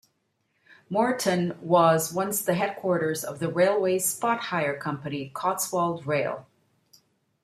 Moreton was once the headquarters of the railway spot-hire company Cotswold Rail.